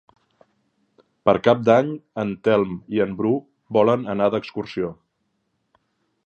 Per Cap d'Any en Telm i en Bru volen anar d'excursió.